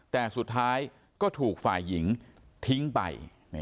แต่สุดท้ายก็ถูกฝ่ายหญิงทิ้งไป